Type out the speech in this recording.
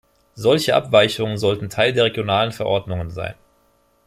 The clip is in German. Solche Abweichungen sollten Teil der regionalen Verordnungen sein.